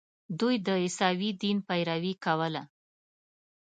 دوی د عیسوي دین پیروي کوله.